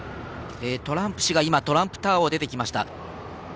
トランプ氏が今、トランプタワーを出てきました。